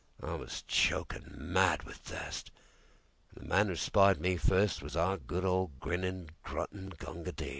I was chokin' mad with thirst, An' the man that spied me firstWas our good old grinnin', gruntin' Gunga Din.